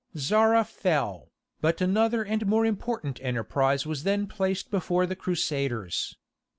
Zara fell, but another and a more important enterprise was then placed before the Crusaders.